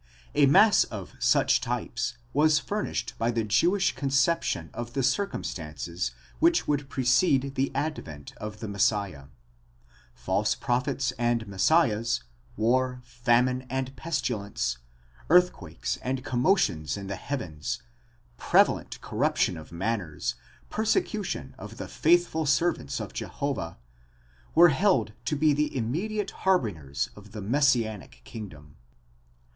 A mass of such types was furnished by the Jewish conception of the circumstances which would precede the advent of the Messiah, False prophets and Messiahs, war, famine and pestilence, earthquakes and commotions in the heavens, prevalent corruption of manners, persecution of the faithful servants of Jehovah, were held to be the immediate harbingers of the messianic kingdom.